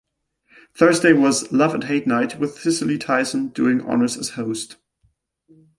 Thursday was "Love and Hate Night" with Cicely Tyson doing honors as host.